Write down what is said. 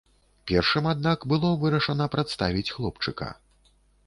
Першым, аднак, было вырашана прадставіць хлопчыка.